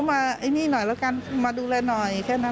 ต้องปากบอกเขาเข้ามานี่หน่อยแล้วกันมาดูแลหน่อยแค่นั้นแหละ